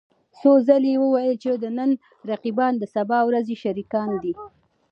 څو ځله يې وويل چې د نن رقيبان د سبا ورځې شريکان دي.